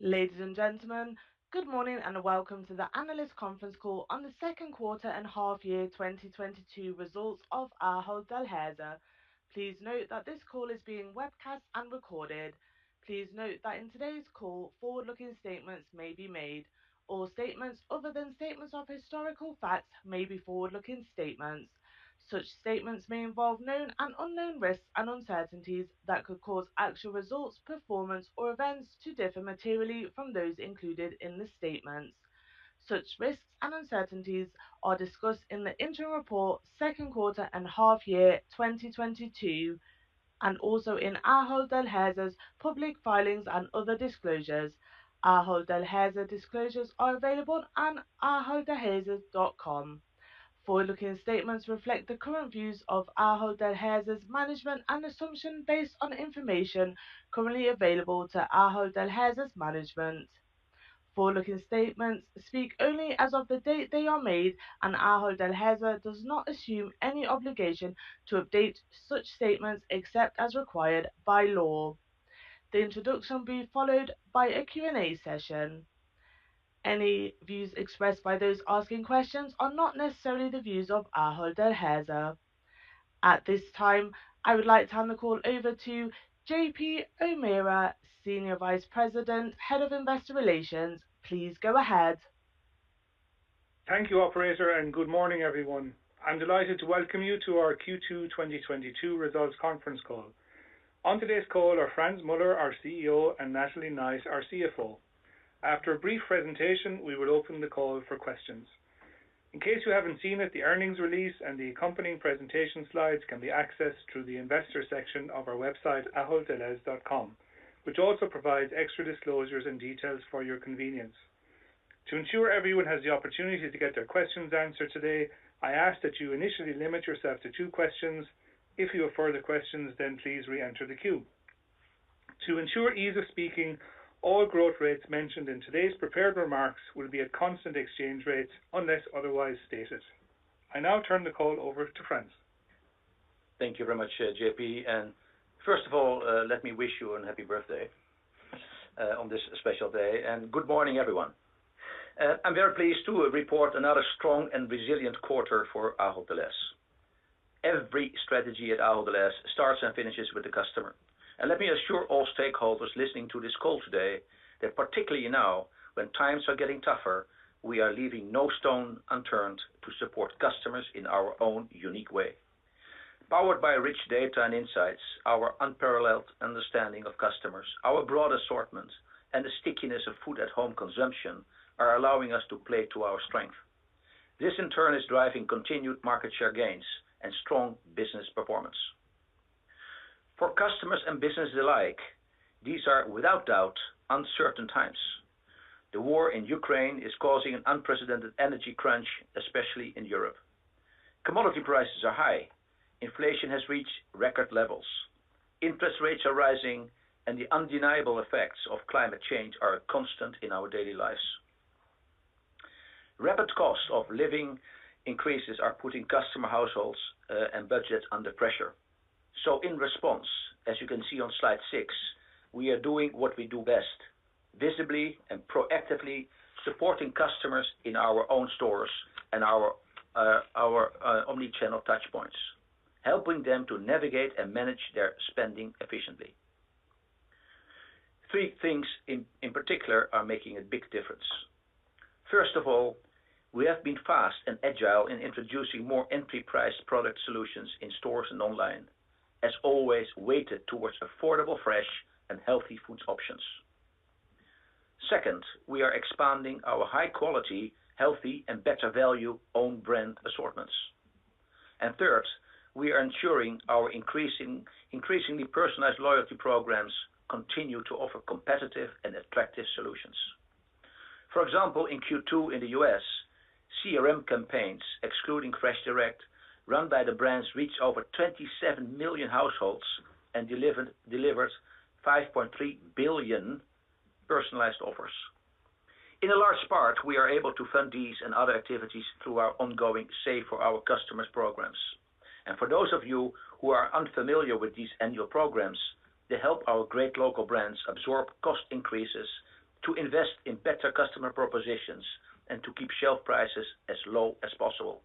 Ladies and gentlemen, good morning, and welcome to the analyst conference call on the second quarter and half year 2022 results of Ahold Delhaize. Please note that this call is being webcast and recorded. Please note that in today's call, forward-looking statements may be made. All statements other than statements of historical fact may be forward-looking statements. Such statements may involve known and unknown risks and uncertainties that could cause actual results, performance, or events to differ materially from those included in the statements. Such risks and uncertainties are discussed in the interim report second quarter and half year 2022, and also in Ahold Delhaize's public filings and other disclosures. Ahold Delhaize disclosures are available on aholddelhaize.com. Forward-looking statements reflect the current views of Ahold Delhaize's management and assumption based on information currently available to Ahold Delhaize's management. Forward-looking statements speak only as of the date they are made, and Ahold Delhaize does not assume any obligation to update such statements except as required by law. The introduction will be followed by a Q&A session. Any views expressed by those asking questions are not necessarily the views of Ahold Delhaize. At this time, I would like to hand the call over to JP O'Meara, Senior Vice President, Head of Investor Relations. Please go ahead. Thank you operator, and good morning, everyone. I'm delighted to welcome you to our Q2 2022 results conference call. On today's call are Frans Muller, our CEO, and Natalie Knight, our CFO. After a brief presentation, we will open the call for questions. In case you haven't seen it, the earnings release and the accompanying presentation slides can be accessed through the Investor section of our website, aholddelhaize.com, which also provides extra disclosures and details for your convenience. To ensure everyone has the opportunity to get their questions answered today, I ask that you initially limit yourself to two questions. If you have further questions, then please reenter the queue. To ensure ease of speaking, all growth rates mentioned in today's prepared remarks will be at constant exchange rates unless otherwise stated. I now turn the call over to Frans. Thank you very much, JP, and first of all, let me wish you a happy birthday on this special day, and good morning, everyone. I'm very pleased to report another strong and resilient quarter for Ahold Delhaize. Every strategy at Ahold Delhaize starts and finishes with the customer. Let me assure all stakeholders listening to this call today that particularly now, when times are getting tougher, we are leaving no stone unturned to support customers in our own unique way. Powered by rich data and insights, our unparalleled understanding of customers, our broad assortment, and the stickiness of food at home consumption are allowing us to play to our strength. This, in turn, is driving continued market share gains and strong business performance. For customers and business alike, these are without doubt uncertain times. The war in Ukraine is causing an unprecedented energy crunch, especially in Europe. Commodity prices are high. Inflation has reached record levels. Interest rates are rising, and the undeniable effects of climate change are constant in our daily lives. Rapid cost of living increases are putting customer households and budget under pressure. In response, as you can see on slide six, we are doing what we do best, visibly and proactively supporting customers in our own stores and our omnichannel touch points, helping them to navigate and manage their spending efficiently. Three things in particular are making a big difference. First of all, we have been fast and agile in introducing more entry price product solutions in stores and online, as always, weighted towards affordable, fresh, and healthy food options. Second, we are expanding our high quality, healthy, and better value own brand assortments. Third, we are ensuring our increasingly personalized loyalty programs continue to offer competitive and attractive solutions. For example, in Q2 in the U.S., CRM campaigns, excluding FreshDirect, run by the brands, reached over 27 million households and delivered 5.3 billion personalized offers. In a large part, we are able to fund these and other activities through our ongoing Save for Our Customers programs. For those of you who are unfamiliar with these annual programs, they help our great local brands absorb cost increases to invest in better customer propositions and to keep shelf prices as low as possible.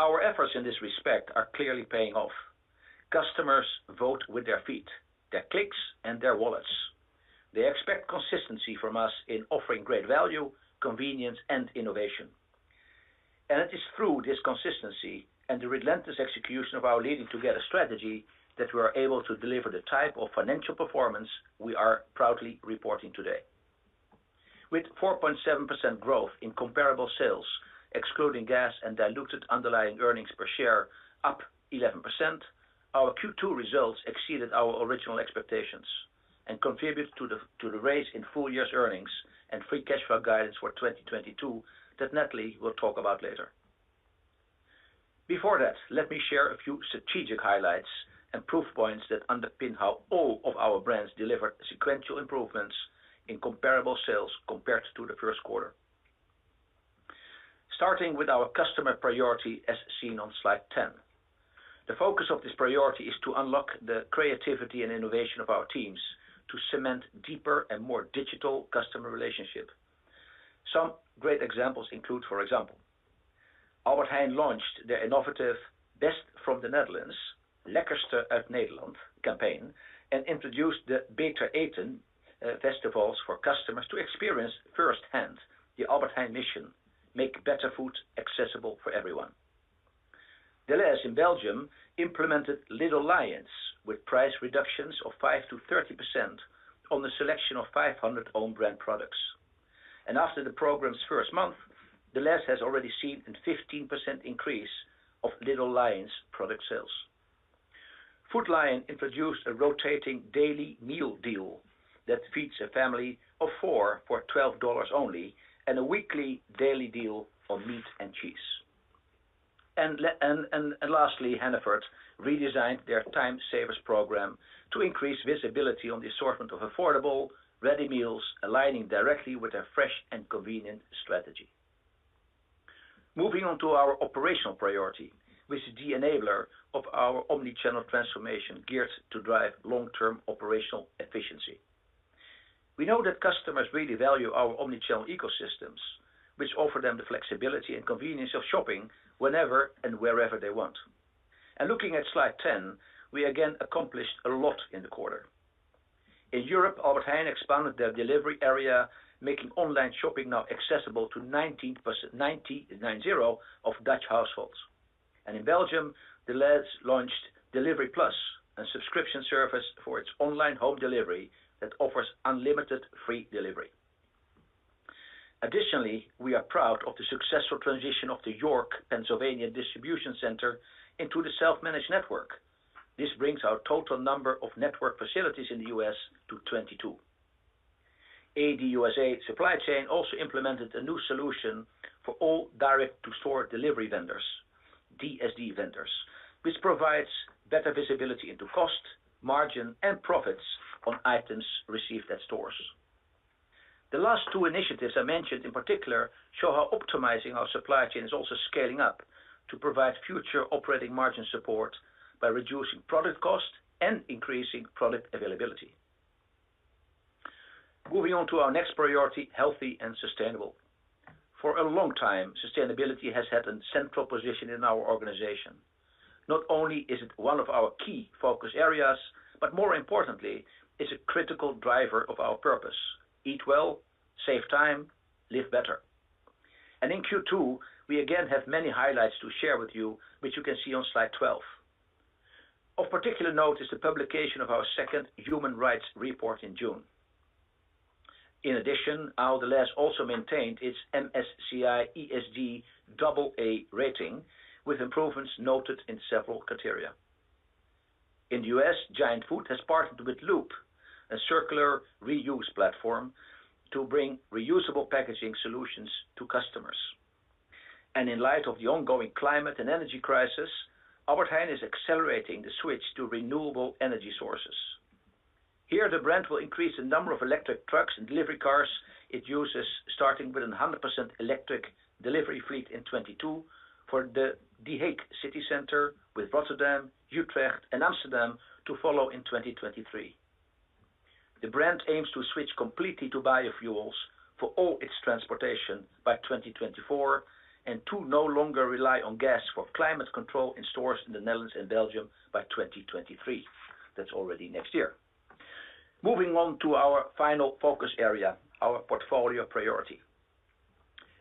Our efforts in this respect are clearly paying off. Customers vote with their feet, their clicks, and their wallets. They expect consistency from us in offering great value, convenience, and innovation. It is through this consistency and the relentless execution of our Leading Together strategy that we are able to deliver the type of financial performance we are proudly reporting today. With 4.7% growth in comparable sales, excluding gas and diluted underlying earnings per share up 11%, our Q2 results exceeded our original expectations and contribute to the raise in full year's earnings and free cash flow guidance for 2022 that Natalie will talk about later. Before that, let me share a few strategic highlights and proof points that underpin how all of our brands delivered sequential improvements in comparable sales compared to the first quarter. Starting with our customer priority as seen on slide 10. The focus of this priority is to unlock the creativity and innovation of our teams to cement deeper and more digital customer relationship. Some great examples include, for example, Albert Heijn launched the innovative Best from the Netherlands, Lekkerste uit Nederland campaign, and introduced the Beter Eten festivals for customers to experience firsthand the Albert Heijn mission, make better food accessible for everyone. Delhaize in Belgium implemented Little Lions with price reductions of 5%-30% on the selection of 500 own brand products. After the program's first month, Delhaize has already seen a 15% increase of Little Lions product sales. Food Lion introduced a rotating daily meal deal that feeds a family of four for only $12, and a weekly daily deal on meat and cheese. Lastly, Hannaford redesigned their time savers program to increase visibility on the assortment of affordable, ready meals, aligning directly with their fresh and convenient strategy. Moving on to our operational priority, which is the enabler of our omnichannel transformation geared to drive long-term operational efficiency. We know that customers really value our omnichannel ecosystems, which offer them the flexibility and convenience of shopping whenever and wherever they want. Looking at slide 10, we again accomplished a lot in the quarter. In Europe, Albert Heijn expanded their delivery area, making online shopping now accessible to 90 of Dutch households. In Belgium, Delhaize launched Delivery+, a subscription service for its online home delivery that offers unlimited free delivery. Additionally, we are proud of the successful transition of the York, Pennsylvania distribution center into the self-managed network. This brings our total number of network facilities in the U.S. to 22. ADUSA supply chain also implemented a new solution for all direct to store delivery vendors, DSD vendors, which provides better visibility into cost, margin, and profits on items received at stores. The last two initiatives I mentioned in particular show how optimizing our supply chain is also scaling up to provide future operating margin support by reducing product cost and increasing product availability. Moving on to our next priority, healthy and sustainable. For a long time, sustainability has had a central position in our organization. Not only is it one of our key focus areas, but more importantly, it's a critical driver of our purpose. Eat well, save time, live better. In Q2, we again have many highlights to share with you, which you can see on slide 12. Of particular note is the publication of our second human rights report in June. In addition, Ahold Delhaize also maintained its MSCI ESG AA rating, with improvements noted in several criteria. In the U.S., Giant Food has partnered with Loop, a circular reuse platform, to bring reusable packaging solutions to customers. In light of the ongoing climate and energy crisis, Albert Heijn is accelerating the switch to renewable energy sources. Here, the brand will increase the number of electric trucks and delivery cars it uses, starting with a 100% electric delivery fleet in 2022 for The Hague city center, with Rotterdam, Utrecht and Amsterdam to follow in 2023. The brand aims to switch completely to biofuels for all its transportation by 2024, and to no longer rely on gas for climate control in stores in the Netherlands and Belgium by 2023. That's already next year. Moving on to our final focus area, our portfolio priority.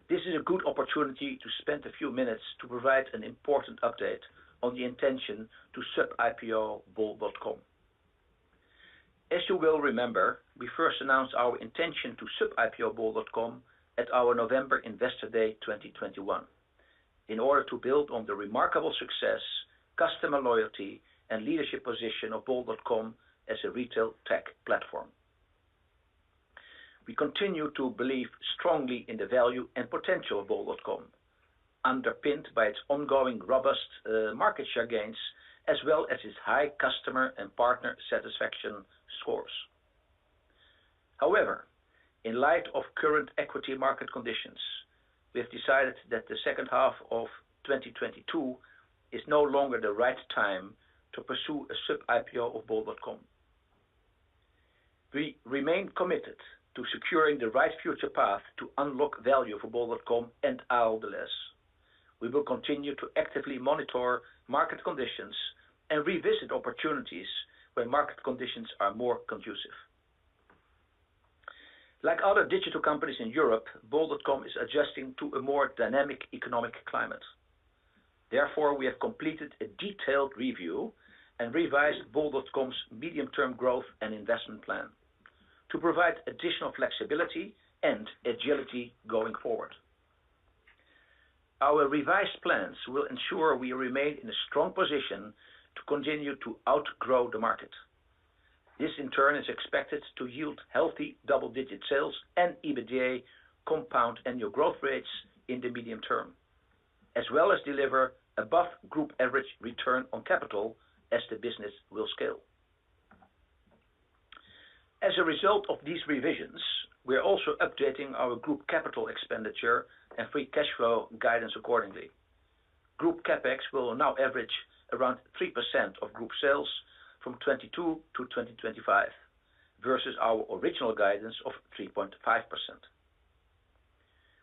This is a good opportunity to spend a few minutes to provide an important update on the intention to sub-IPO bol.com. As you will remember, we first announced our intention to sub-IPO bol.com at our November Investor Day 2021 in order to build on the remarkable success, customer loyalty, and leadership position of bol.com as a retail tech platform. We continue to believe strongly in the value and potential of bol.com, underpinned by its ongoing robust market share gains, as well as its high customer and partner satisfaction scores. However, in light of current equity market conditions, we have decided that the second half of 2022 is no longer the right time to pursue a sub-IPO of bol.com. We remain committed to securing the right future path to unlock value for bol.com and Ahold Delhaize. We will continue to actively monitor market conditions and revisit opportunities when market conditions are more conducive. Like other digital companies in Europe, bol.com is adjusting to a more dynamic economic climate. Therefore, we have completed a detailed review and revised bol.com's medium-term growth and investment plan to provide additional flexibility and agility going forward. Our revised plans will ensure we remain in a strong position to continue to outgrow the market. This, in turn, is expected to yield healthy double-digit sales and EBITDA compound annual growth rates in the medium term, as well as deliver above group average return on capital as the business will scale. As a result of these revisions, we are also updating our group capital expenditure and free cash flow guidance accordingly. Group CapEx will now average around 3% of group sales from 2022 to 2025 versus our original guidance of 3.5%.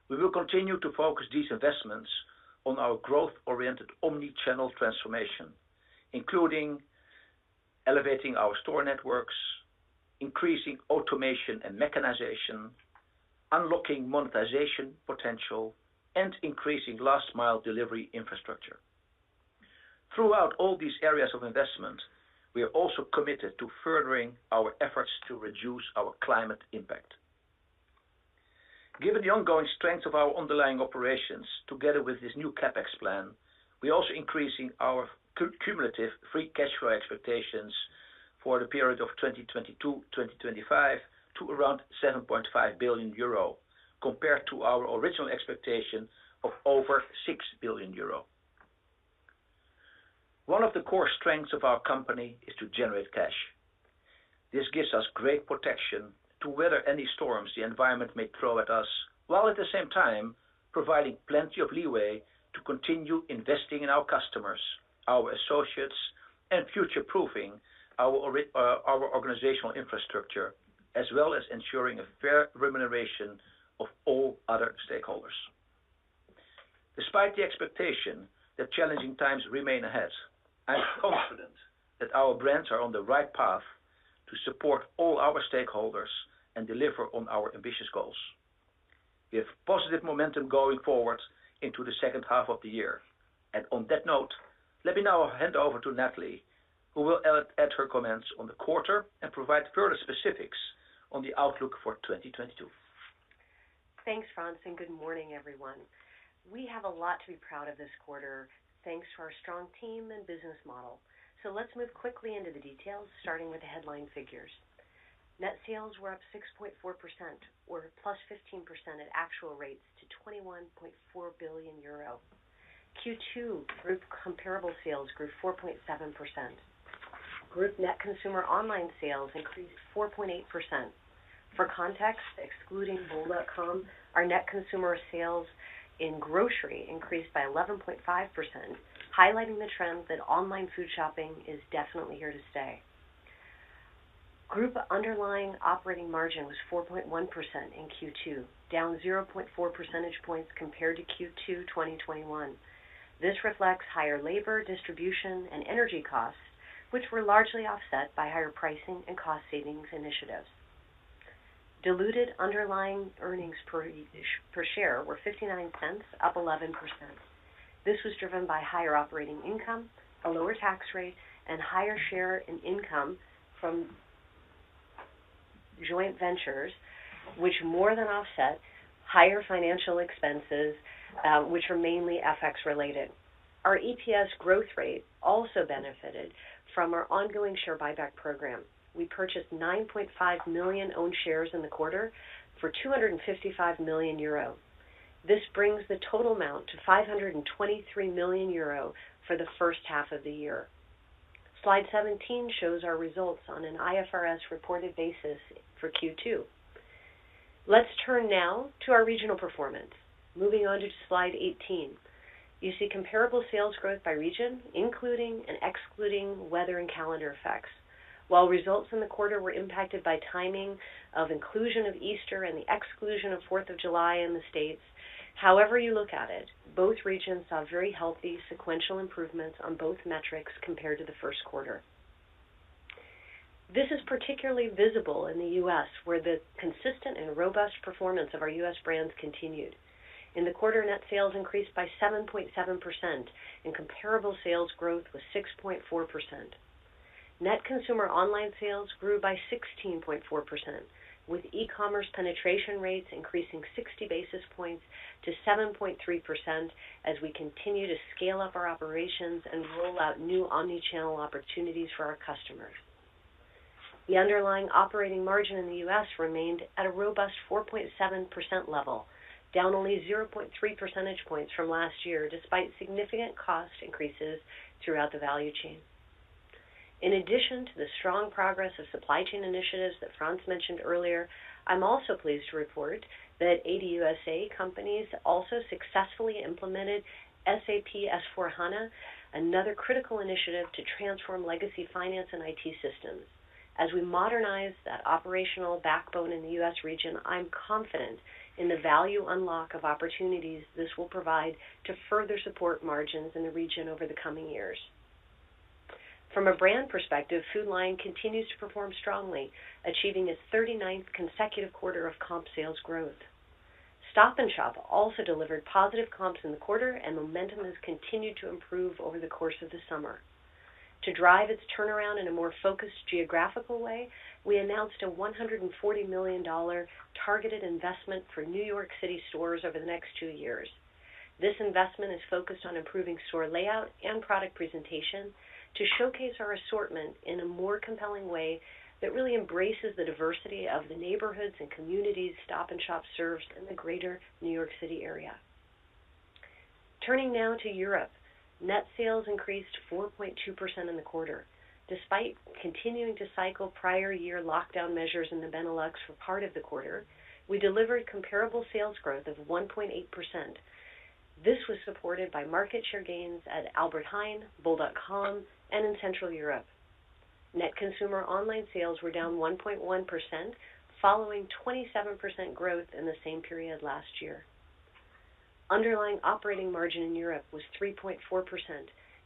We will continue to focus these investments on our growth oriented omnichannel transformation, including elevating our store networks, increasing automation and mechanization, unlocking monetization potential, and increasing last mile delivery infrastructure. Throughout all these areas of investment, we are also committed to furthering our efforts to reduce our climate impact. Given the ongoing strength of our underlying operations, together with this new CapEx plan, we are also increasing our cumulative free cash flow expectations for the period of 2022, 2025 to around 7.5 billion euro, compared to our original expectation of over 6 billion euro. One of the core strengths of our company is to generate cash. This gives us great protection to weather any storms the environment may throw at us, while at the same time providing plenty of leeway to continue investing in our customers, our associates, and future-proofing our our organizational infrastructure, as well as ensuring a fair remuneration of all other stakeholders. Despite the expectation that challenging times remain ahead, I'm confident that our brands are on the right path to support all our stakeholders and deliver on our ambitious goals. We have positive momentum going forward into the second half of the year. On that note, let me now hand over to Natalie, who will add her comments on the quarter and provide further specifics on the outlook for 2022. Thanks, Frans, and good morning, everyone. We have a lot to be proud of this quarter, thanks to our strong team and business model. Let's move quickly into the details, starting with the headline figures. Net sales were up 6.4% or +15% at actual rates to 21.4 billion euro. Q2 group comparable sales grew 4.7%. Group net consumer online sales increased 4.8%. For context, excluding bol.com, our net consumer sales in grocery increased by 11.5%, highlighting the trend that online food shopping is definitely here to stay. Group underlying operating margin was 4.1% in Q2, down 0.4 percentage points compared to Q2 2021. This reflects higher labor, distribution, and energy costs, which were largely offset by higher pricing and cost savings initiatives. Diluted underlying earnings per share were 0.59, up 11%. This was driven by higher operating income, a lower tax rate, and higher share in income from joint ventures, which more than offset higher financial expenses, which were mainly FX related. Our EPS growth rate also benefited from our ongoing share buyback program. We purchased 9.5 million own shares in the quarter for 255 million euro. This brings the total amount to 523 million euro for the first half of the year. Slide 17 shows our results on an IFRS reported basis for Q2. Let's turn now to our regional performance. Moving on to slide 18, you see comparable sales growth by region, including and excluding weather and calendar effects. While results in the quarter were impacted by timing of inclusion of Easter and the exclusion of July 4th in the States, however you look at it, both regions saw very healthy sequential improvements on both metrics compared to the first quarter. This is particularly visible in the U.S., where the consistent and robust performance of our U.S. brands continued. In the quarter, net sales increased by 7.7%, and comparable sales growth was 6.4%. Net consumer online sales grew by 16.4%, with e-commerce penetration rates increasing 60 basis points to 7.3% as we continue to scale up our operations and roll out new omnichannel opportunities for our customers. The underlying operating margin in the U.S. remained at a robust 4.7% level, down only 0.3 percentage points from last year, despite significant cost increases throughout the value chain. In addition to the strong progress of supply chain initiatives that Frans mentioned earlier, I'm also pleased to report that ADUSA companies also successfully implemented SAP S/4HANA, another critical initiative to transform legacy finance and IT systems. As we modernize that operational backbone in the U.S. region, I'm confident in the value unlock of opportunities this will provide to further support margins in the region over the coming years. From a brand perspective, Food Lion continues to perform strongly, achieving its 39th consecutive quarter of comp sales growth. Stop & Shop also delivered positive comps in the quarter, and momentum has continued to improve over the course of the summer. To drive its turnaround in a more focused geographical way, we announced a $140 million targeted investment for New York City stores over the next two years. This investment is focused on improving store layout and product presentation to showcase our assortment in a more compelling way that really embraces the diversity of the neighborhoods and communities Stop & Shop serves in the greater New York City area. Turning now to Europe. Net sales increased 4.2% in the quarter. Despite continuing to cycle prior year lockdown measures in the Benelux for part of the quarter, we delivered comparable sales growth of 1.8%. This was supported by market share gains at Albert Heijn, bol.com, and in Central Europe. Net consumer online sales were down 1.1% following 27% growth in the same period last year. Underlying operating margin in Europe was 3.4%,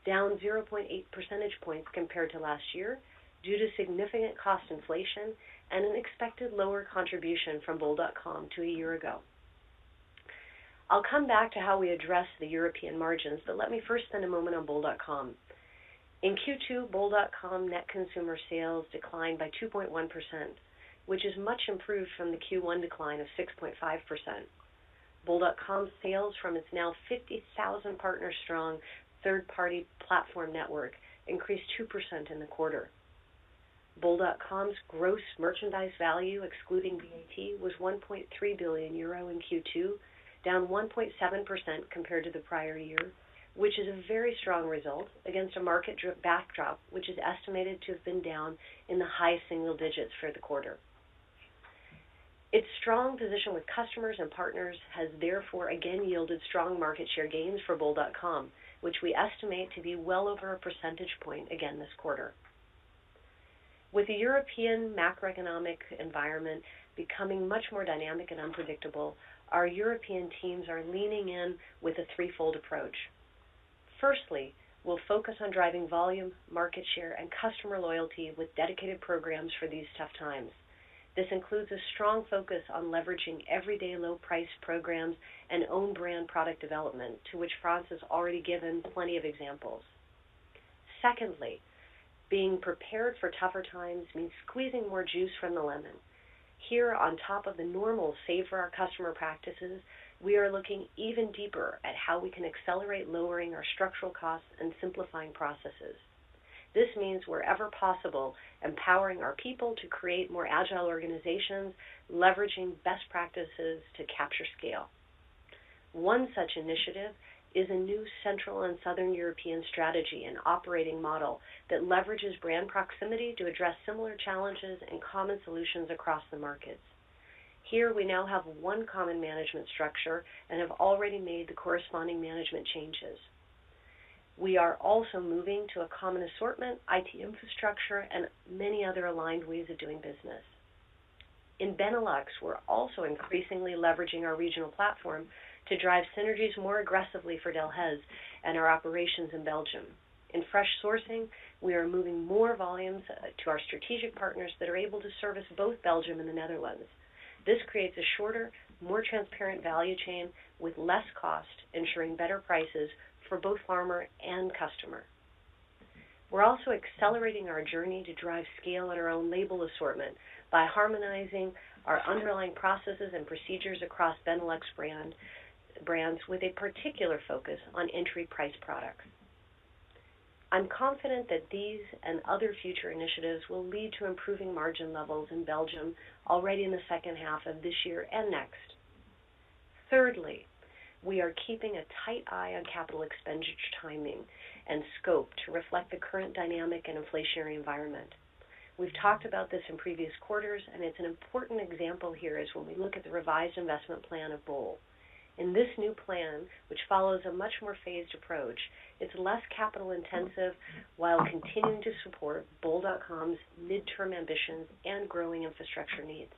down 0.8 percentage points compared to last year due to significant cost inflation and an expected lower contribution from bol.com than a year ago. I'll come back to how we address the European margins, but let me first spend a moment on bol.com. In Q2, bol.com net consumer sales declined by 2.1%, which is much improved from the Q1 decline of 6.5%. Bol.com sales from its now 50,000 partner strong third-party platform network increased 2% in the quarter. Bol.com's gross merchandise value, excluding VAT, was 1.3 billion euro in Q2, down 1.7% compared to the prior year, which is a very strong result against a market backdrop, which is estimated to have been down in the high single digits for the quarter. Its strong position with customers and partners has therefore again yielded strong market share gains for bol.com, which we estimate to be well over a percentage point again this quarter. With the European macroeconomic environment becoming much more dynamic and unpredictable, our European teams are leaning in with a threefold approach. Firstly, we'll focus on driving volume, market share, and customer loyalty with dedicated programs for these tough times. This includes a strong focus on leveraging everyday low price programs and own brand product development, to which Frans has already given plenty of examples. Secondly, being prepared for tougher times means squeezing more juice from the lemon. Here, on top of the normal Save for Our Customer practices, we are looking even deeper at how we can accelerate lowering our structural costs and simplifying processes. This means wherever possible, empowering our people to create more agile organizations, leveraging best practices to capture scale. One such initiative is a new Central and Southern European strategy and operating model that leverages brand proximity to address similar challenges and common solutions across the markets. Here we now have one common management structure and have already made the corresponding management changes. We are also moving to a common assortment, IT infrastructure, and many other aligned ways of doing business. In Benelux, we're also increasingly leveraging our regional platform to drive synergies more aggressively for Delhaize and our operations in Belgium. In fresh sourcing, we are moving more volumes to our strategic partners that are able to service both Belgium and the Netherlands. This creates a shorter, more transparent value chain with less cost, ensuring better prices for both farmer and customer. We're also accelerating our journey to drive scale at our own label assortment by harmonizing our underlying processes and procedures across Benelux brands with a particular focus on entry price products. I'm confident that these and other future initiatives will lead to improving margin levels in Belgium already in the second half of this year and next. Thirdly, we are keeping a tight eye on capital expenditure timing and scope to reflect the current dynamic and inflationary environment. We've talked about this in previous quarters, and an important example here is when we look at the revised investment plan of bol. In this new plan, which follows a much more phased approach, it's less capital intensive while continuing to support bol.com's midterm ambitions and growing infrastructure needs.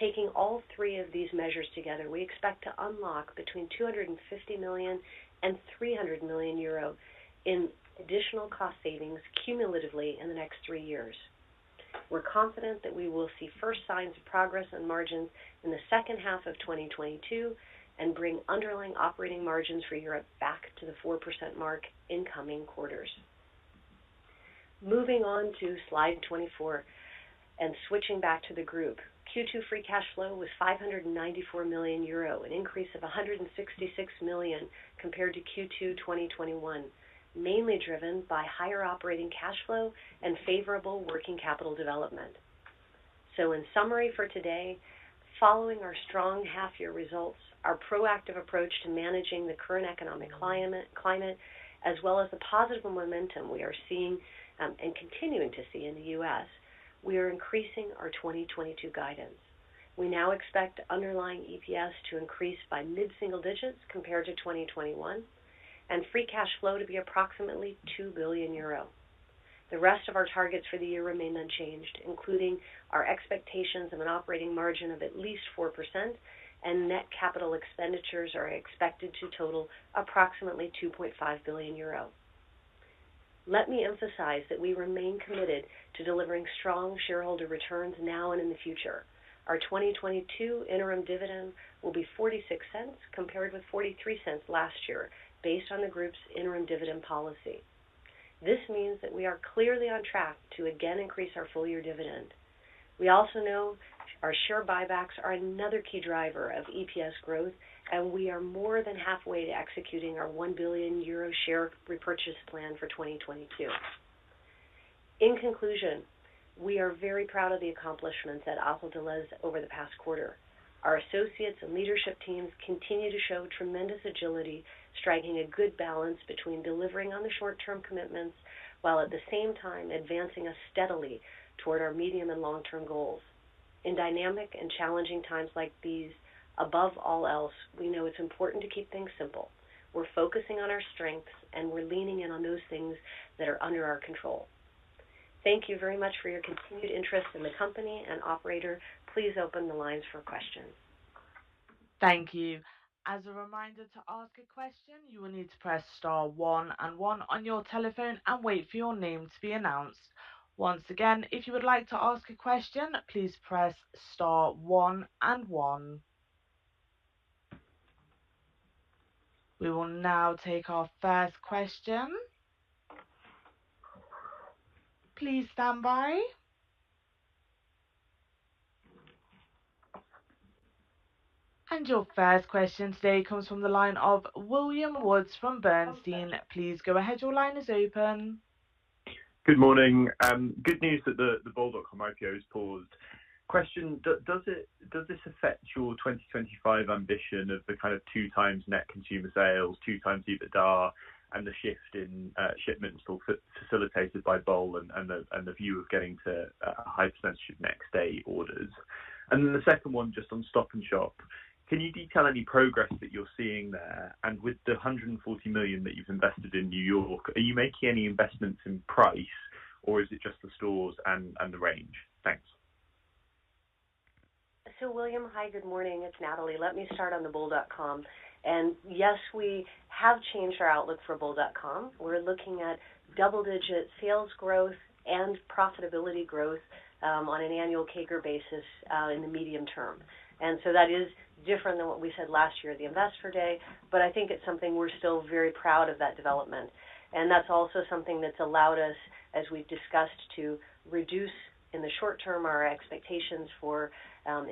Taking all three of these measures together, we expect to unlock between 250 million and 300 million euro in additional cost savings cumulatively in the next three years. We're confident that we will see first signs of progress in margins in the second half of 2022 and bring underlying operating margins for Europe back to the 4% mark in coming quarters. Moving on to slide 24 and switching back to the group. Q2 free cash flow was 594 million euro, an increase of 166 million compared to Q2 2021, mainly driven by higher operating cash flow and favorable working capital development. In summary for today, following our strong half year results, our proactive approach to managing the current economic climate, as well as the positive momentum we are seeing, and continuing to see in the U.S., we are increasing our 2022 guidance. We now expect underlying EPS to increase by mid-single digits compared to 2021, and free cash flow to be approximately 2 billion euro. The rest of our targets for the year remain unchanged, including our expectations of an operating margin of at least 4% and net capital expenditures are expected to total approximately 2.5 billion euro. Let me emphasize that we remain committed to delivering strong shareholder returns now and in the future. Our 2022 interim dividend will be 0.46 compared with 0.43 last year based on the group's interim dividend policy. This means that we are clearly on track to again increase our full year dividend. We also know our share buybacks are another key driver of EPS growth, and we are more than halfway to executing our 1 billion euro share repurchase plan for 2022. In conclusion, we are very proud of the accomplishments at Ahold Delhaize over the past quarter. Our associates and leadership teams continue to show tremendous agility, striking a good balance between delivering on the short-term commitments while at the same time advancing us steadily toward our medium and long-term goals. In dynamic and challenging times like these, above all else, we know it's important to keep things simple. We're focusing on our strengths, and we're leaning in on those things that are under our control. Thank you very much for your continued interest in the company. Operator, please open the lines for questions. Thank you. As a reminder, to ask a question, you will need to press star one and one on your telephone and wait for your name to be announced. Once again, if you would like to ask a question, please press star one and one. We will now take our first question. Please stand by. Your first question today comes from the line of William Woods from Bernstein. Please go ahead. Your line is open. Good morning. Good news that the bol.com IPO is paused. Question, does this affect your 2025 ambition of the kind of 2x net consumer sales, 2x EBITDA, and the shift in shipments or facilitated by bol and the view of getting to a high percentage of next day orders? And then the second one, just on Stop & Shop. Can you detail any progress that you're seeing there? And with the $140 million that you've invested in New York, are you making any investments in price or is it just the stores and the range? Thanks. William, hi, good morning. It's Natalie. Let me start on the bol.com. Yes, we have changed our outlook for bol.com. We're looking at double-digit sales growth and profitability growth on an annual CAGR basis in the medium term. That is different than what we said last year at the Investor Day, but I think it's something we're still very proud of that development. That's also something that's allowed us, as we've discussed, to reduce, in the short term, our expectations for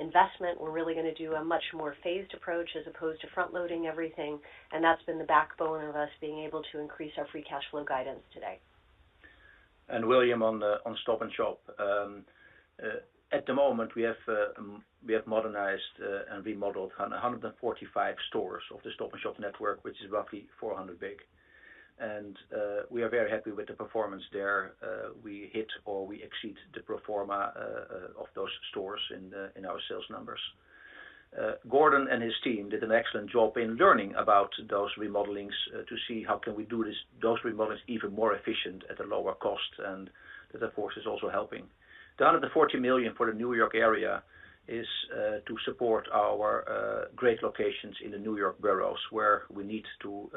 investment. We're really gonna do a much more phased approach as opposed to front-loading everything, and that's been the backbone of us being able to increase our free cash flow guidance today. William, on Stop & Shop. At the moment, we have modernized and remodeled 145 stores of the Stop & Shop network, which is roughly 400 big. We are very happy with the performance there. We hit or exceed the pro forma of those stores in our sales numbers. Gordon and his team did an excellent job in learning about those remodelings to see how we can do those remodels even more efficient at a lower cost, and that, of course, is also helping. The 140 million for the New York area is to support our great locations in the New York boroughs, where we need to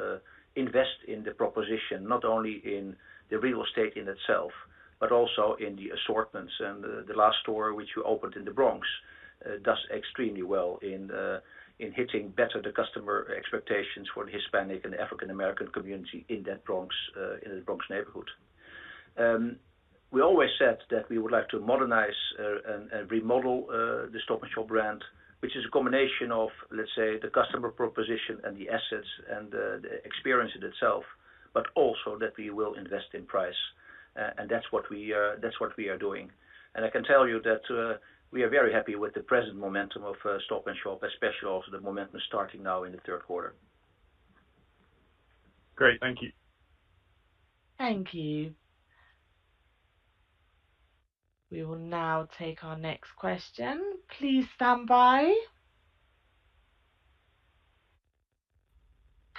invest in the proposition, not only in the real estate in itself, but also in the assortments. The last store which we opened in the Bronx does extremely well in hitting better the customer expectations for the Hispanic and African American community in the Bronx neighborhood. We always said that we would like to modernize and remodel the Stop & Shop brand, which is a combination of, let's say, the customer proposition and the assets and the experience in itself, but also that we will invest in price. That's what we are doing. I can tell you that we are very happy with the present momentum of Stop & Shop, especially also the momentum starting now in the third quarter. Great. Thank you. Thank you. We will now take our next question. Please stand by.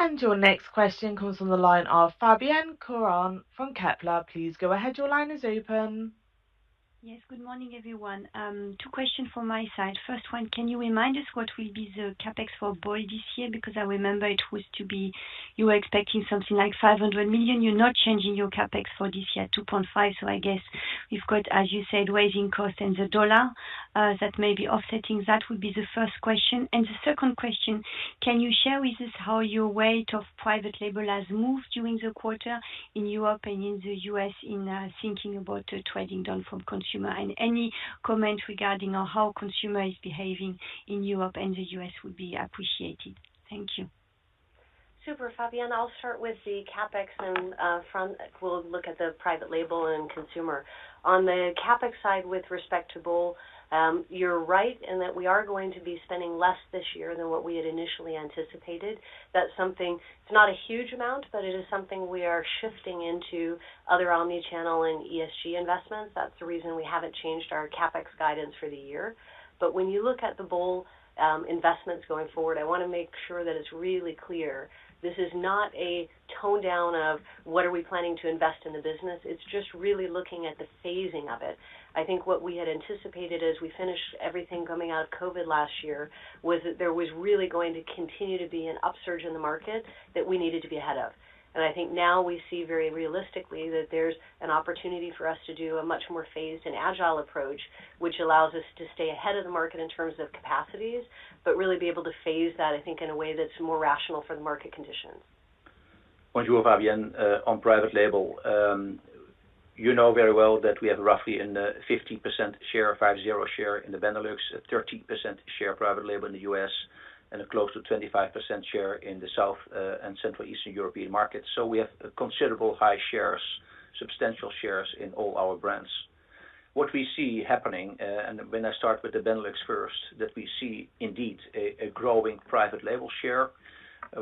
Your next question comes from the line of Fabienne Caron from Kepler. Please go ahead. Your line is open. Yes, good morning, everyone. Two questions from my side. First one, can you remind us what will be the CapEx for bol this year? Because I remember it was to be. You were expecting something like 500 million. You're not changing your CapEx for this year, 2.5, so I guess you've got, as you said, rising costs and the dollar that may be offsetting. That would be the first question. The second question, can you share with us how your weight of private label has moved during the quarter in Europe and in the U.S. in thinking about trading down from consumer? Any comment regarding how consumer is behaving in Europe and in the U.S. would be appreciated. Thank you. Super, Fabienne. I'll start with the CapEx. We'll look at the private label and consumer. On the CapEx side with respect to bol, you're right in that we are going to be spending less this year than what we had initially anticipated. That's something. It's not a huge amount, but it is something we are shifting into other omnichannel and ESG investments. That's the reason we haven't changed our CapEx guidance for the year. When you look at the bol investments going forward, I wanna make sure that it's really clear this is not a tone down of what are we planning to invest in the business. It's just really looking at the phasing of it. I think what we had anticipated as we finished everything coming out of COVID last year was that there was really going to continue to be an upsurge in the market that we needed to be ahead of. I think now we see very realistically that there's an opportunity for us to do a much more phased and agile approach, which allows us to stay ahead of the market in terms of capacities. Really be able to phase that, I think, in a way that's more rational for the market conditions. Bonjour, Fabienne. On private label, you know very well that we have roughly a 15% share, 50% share in the Benelux, a 13% share private label in the U.S., and a close to 25% share in the South and Central Eastern European markets. We have considerable high shares, substantial shares in all our brands. What we see happening, and when I start with the Benelux first, that we see indeed a growing private label share,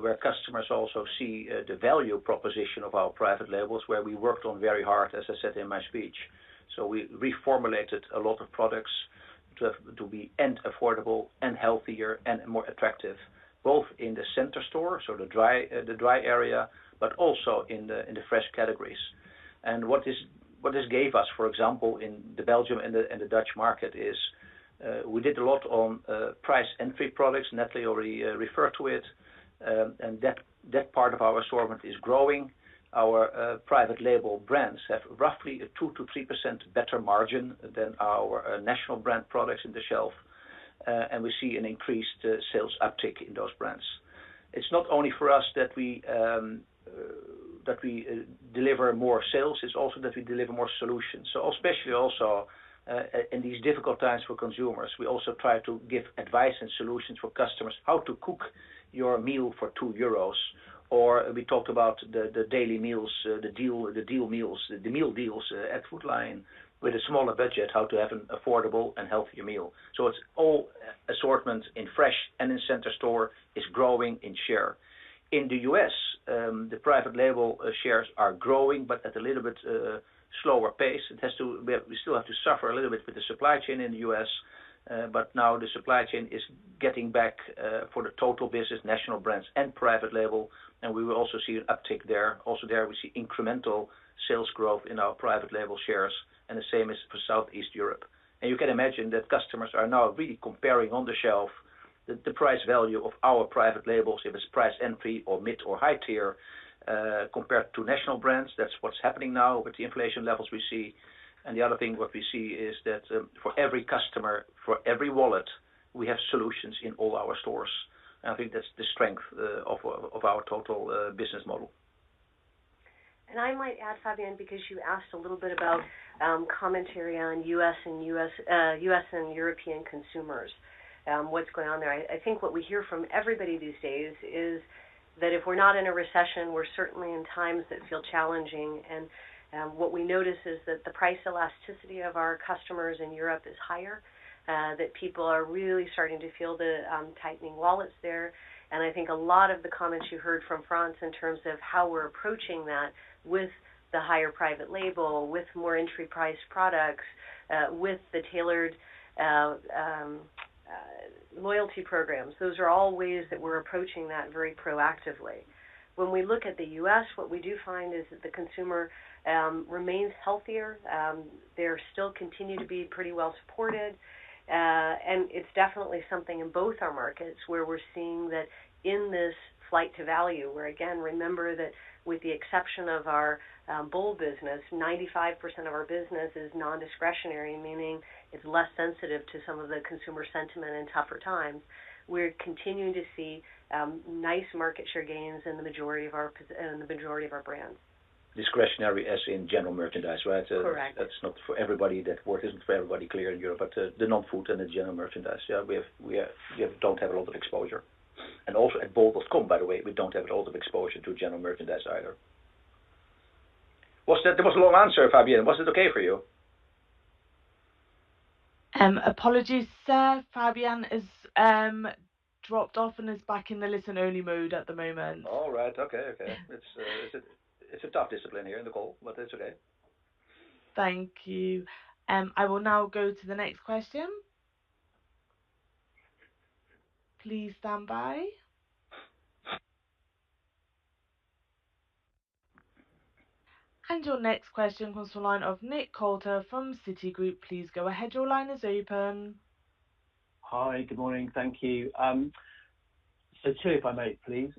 where customers also see the value proposition of our private labels, where we worked on very hard, as I said in my speech. We reformulated a lot of products to be affordable and healthier and more attractive, both in the center store, the dry area, but also in the fresh categories. What this gave us, for example, in Belgium and the Dutch market, is we did a lot on price entry products. Natalie already referred to it. That part of our assortment is growing. Our private label brands have roughly a 2%-3% better margin than our national brand products on the shelf. We see an increased sales uptick in those brands. It's not only for us that we deliver more sales, it's also that we deliver more solutions. Especially also in these difficult times for consumers, we also try to give advice and solutions for customers how to cook your meal for 2 euros. We talked about the daily meals, the meal deals at Food Lion with a smaller budget, how to have an affordable and healthier meal. It's our assortment in fresh and in center store is growing in share. In the U.S., the private label shares are growing but at a little bit slower pace. We still have to suffer a little bit with the supply chain in the U.S., but now the supply chain is getting back for the total business, national brands and private label, and we will also see an uptick there. Also, there we see incremental sales growth in our private label shares, and the same is for Southeast Europe. You can imagine that customers are now really comparing on the shelf the price value of our private labels, if it's price entry or mid or high tier, compared to national brands. That's what's happening now with the inflation levels we see. The other thing, what we see is that, for every customer, for every wallet, we have solutions in all our stores. I think that's the strength of our total business model. I might add, Fabienne, because you asked a little bit about commentary on U.S. and U.S. and European consumers, what's going on there. I think what we hear from everybody these days is that if we're not in a recession, we're certainly in times that feel challenging. What we notice is that the price elasticity of our customers in Europe is higher, that people are really starting to feel the tightening wallets there. I think a lot of the comments you heard from Frans in terms of how we're approaching that with the higher private label, with more entry price products, with the tailored loyalty programs, those are all ways that we're approaching that very proactively. When we look at the U.S., what we do find is that the consumer remains healthier. They still continue to be pretty well supported. It's definitely something in both our markets where we're seeing that in this flight to value, where again, remember that with the exception of our bol business, 95% of our business is nondiscretionary, meaning it's less sensitive to some of the consumer sentiment in tougher times. We're continuing to see nice market share gains in the majority of our brands. Discretionary as in general merchandise, right? Correct. That's not for everybody. That word isn't for everybody clear in Europe, but the non-food and the general merchandise. Yeah, we don't have a lot of exposure. Also at bol.com, by the way, we don't have a lot of exposure to general merchandise either. That was a long answer, Fabienne. Was it okay for you? Apologies, sir. Fabienne has dropped off and is back in the listen-only mode at the moment. All right. Okay. Yeah. It's a tough discipline here in the call, but it's okay. Thank you. I will now go to the next question. Please stand by. Your next question comes from line of Nick Coulter from Citigroup. Please go ahead. Your line is open. Hi. Good morning. Thank you. So two, if I may please.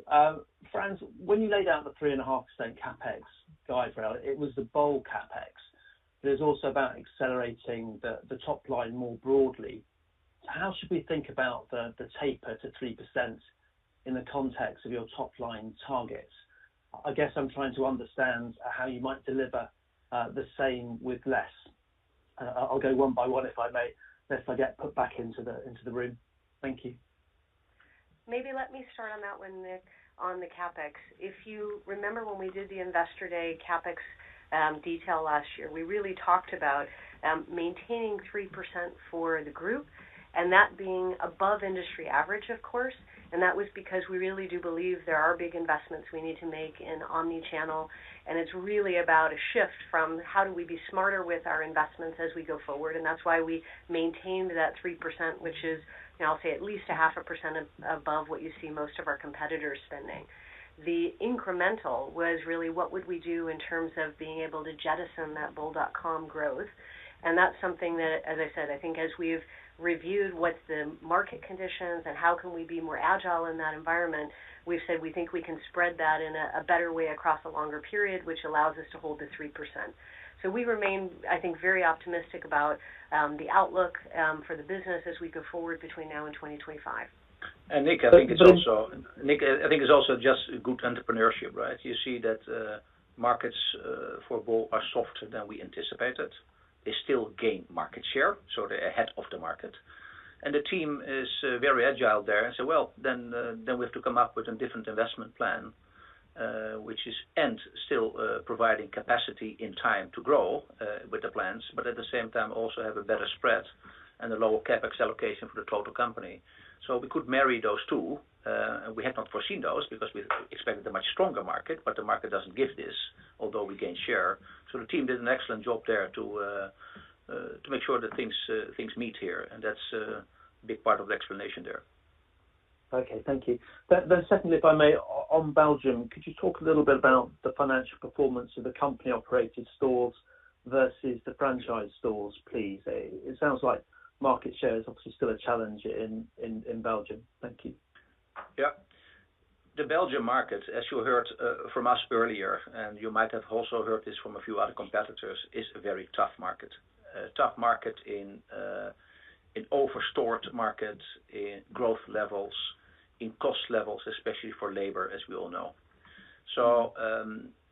Frans, when you laid out the 3.5% CapEx guideline, it was the bol CapEx. It's also about accelerating the top line more broadly. How should we think about the taper to 3% in the context of your top line targets? I guess I'm trying to understand how you might deliver the same with less. I'll go one by one, if I may, lest I get put back into the room. Thank you. Maybe let me start on that one, Nick, on the CapEx. If you remember when we did the Investor Day CapEx detail last year, we really talked about maintaining 3% for the group, and that being above industry average, of course. That was because we really do believe there are big investments we need to make in omnichannel, and it's really about a shift from how do we be smarter with our investments as we go forward? That's why we maintained that 3%, which is now, say, at least 0.5% above what you see most of our competitors spending. The incremental was really what would we do in terms of being able to jettison that bol.com growth. That's something that, as I said, I think as we've reviewed what's the market conditions and how can we be more agile in that environment, we've said we think we can spread that in a better way across a longer period, which allows us to hold the 3%. We remain, I think, very optimistic about the outlook for the business as we go forward between now and 2025. Nick, I think it's also. But. Nick, I think it's also just good entrepreneurship, right? You see that markets for bol are softer than we anticipated. They still gain market share, so they're ahead of the market. The team is very agile there and say, "Well, then we have to come up with a different investment plan," which is, and still providing capacity in time to grow with the plans, but at the same time also have a better spread and a lower CapEx allocation for the total company. We could marry those two. We had not foreseen those because we expected a much stronger market, but the market doesn't give this, although we gain share. The team did an excellent job there to make sure that things meet here, and that's a big part of the explanation there. Okay. Thank you. Secondly, if I may, on Belgium, could you talk a little bit about the financial performance of the company-operated stores versus the franchise stores, please? It sounds like market share is obviously still a challenge in Belgium. Thank you. Yeah. The Belgium market, as you heard, from us earlier, and you might have also heard this from a few other competitors, is a very tough market. A tough market in, an over-stored market in growth levels, in cost levels, especially for labor, as we all know.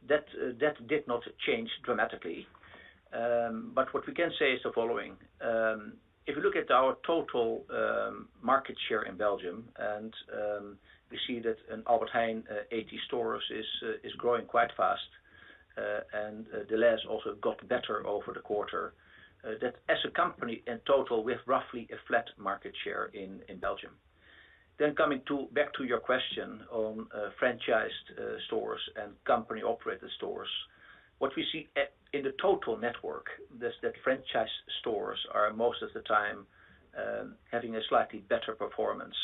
That did not change dramatically. What we can say is the following. If you look at our total market share in Belgium, and we see that in Albert Heijn, 80 stores is growing quite fast, and Delhaize also got better over the quarter, that as a company in total with roughly a flat market share in Belgium. Coming back to your question on franchised stores and company-operated stores. What we see in the total network is that franchise stores are most of the time having a slightly better performance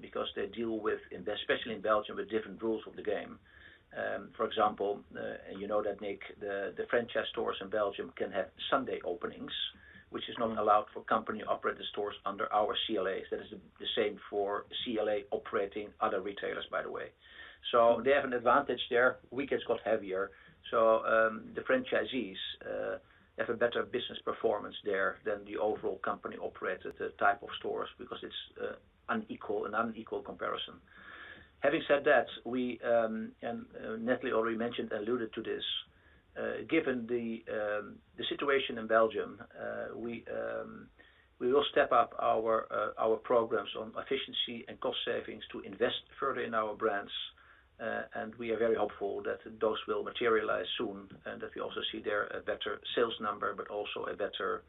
because they deal with and especially in Belgium with different rules of the game. For example, you know that, Nick, the franchise stores in Belgium can have Sunday openings, which is not allowed for company-operated stores under our CLAs. That is the same for CLA operating other retailers, by the way. They have an advantage there. Weekends got heavier, the franchisees have a better business performance there than the overall company-operated type of stores because it's an unequal comparison. Having said that, we and Natalie already mentioned and alluded to this, given the situation in Belgium, we will step up our programs on efficiency and cost savings to invest further in our brands. We are very hopeful that those will materialize soon, and that we also see there a better sales number, but also a better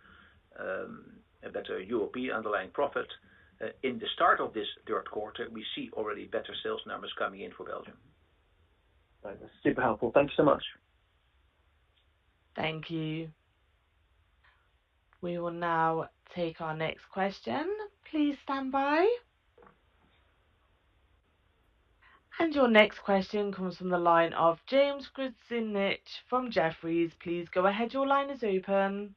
European underlying profit. In the start of this third quarter, we see already better sales numbers coming in for Belgium. All right. That's super helpful. Thank you so much. Thank you. We will now take our next question. Please stand by. Your next question comes from the line of James Grzinic from Jefferies. Please go ahead. Your line is open.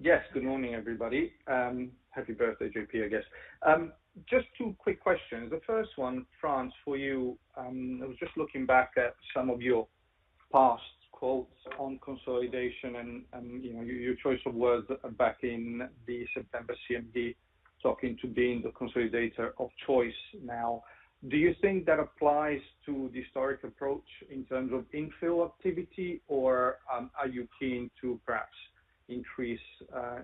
Yes. Good morning, everybody. Happy birthday, JP, I guess. Just two quick questions. The first one, Frans, for you. I was just looking back at some of your past quotes on consolidation and you know, your choice of words back in the September CMD, talking to being the consolidator of choice now. Do you think that applies to the historic approach in terms of infill activity, or are you keen to perhaps increase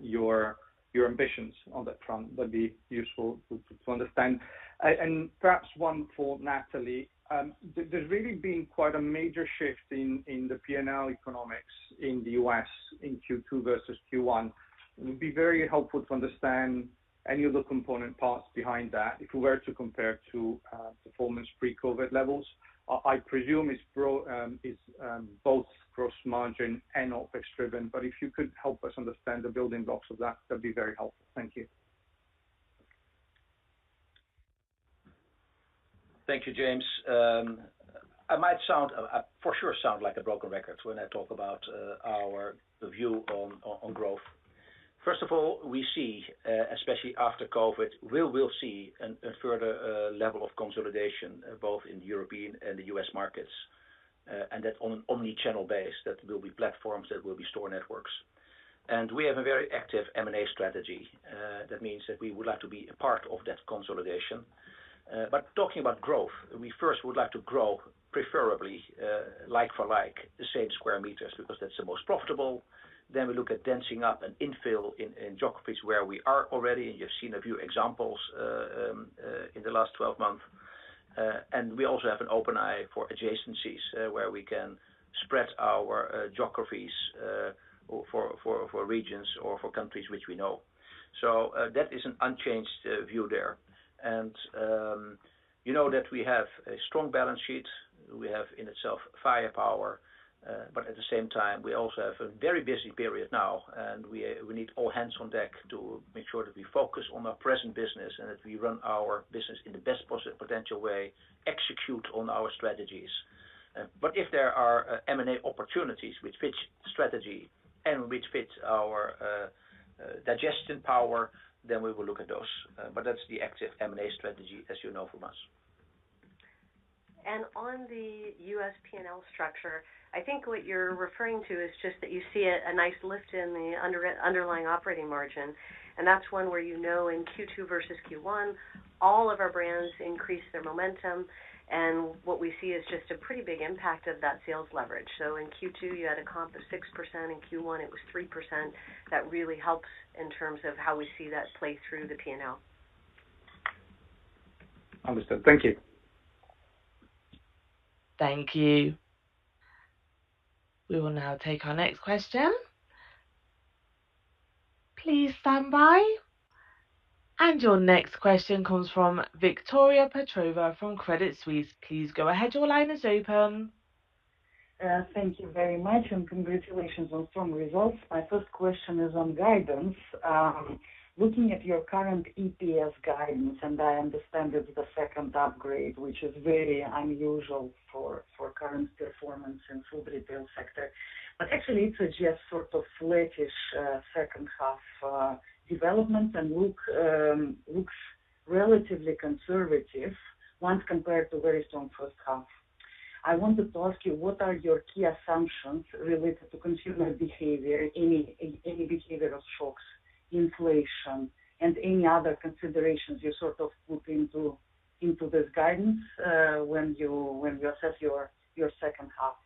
your ambitions on that front? That'd be useful to understand. Perhaps one for Natalie. There's really been quite a major shift in the P&L economics in the US in Q2 versus Q1. It would be very helpful to understand any of the component parts behind that if we were to compare to performance pre-COVID levels. I presume it's both gross margin and OpEx driven, but if you could help us understand the building blocks of that'd be very helpful. Thank you. Thank you, James. I might sound for sure like a broken record when I talk about our view on growth. First of all, we see especially after COVID, we will see a further level of consolidation both in European and the U.S. markets and that on an omnichannel base, that will be platforms, that will be store networks. We have a very active M&A strategy. That means that we would like to be a part of that consolidation. Talking about growth, we first would like to grow preferably like for like the same square meters because that's the most profitable. Then we look at densing up an infill in geographies where we are already. You've seen a few examples in the last 12 months. We also have an open eye for adjacencies, where we can spread our geographies for regions or for countries which we know. That is an unchanged view there. You know that we have a strong balance sheet. We have in itself firepower, but at the same time, we also have a very busy period now, and we need all hands on deck to make sure that we focus on our present business and that we run our business in the best potential way, execute on our strategies. If there are M&A opportunities which fits strategy and which fits our digested power, then we will look at those. That's the active M&A strategy, as you know from us. On the U.S. P&L structure, I think what you're referring to is just that you see a nice lift in the underlying operating margin, and that's one where you know in Q2 versus Q1, all of our brands increased their momentum, and what we see is just a pretty big impact of that sales leverage. In Q2, you had a comp of 6%, in Q1 it was 3%. That really helps in terms of how we see that play through the P&L. Understood. Thank you. Thank you. We will now take our next question. Please stand by. Your next question comes from Victoria Petrova from Credit Suisse. Please go ahead. Your line is open. Thank you very much, and congratulations on strong results. My first question is on guidance. Looking at your current EPS guidance, and I understand it's the second upgrade, which is very unusual for current performance in food retail sector. Actually it suggests sort of flattish second half development and looks relatively conservative when compared to very strong first half. I wanted to ask you, what are your key assumptions related to consumer behavior, any behavioral shocks, inflation, and any other considerations you sort of put into this guidance when you assess your second half?